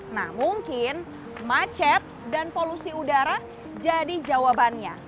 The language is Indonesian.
nah mungkin macet dan polusi udara jadi jawabannya